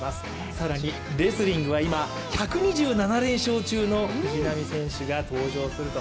更にレスリングは今、１２７連勝中の藤波選手が登場すると。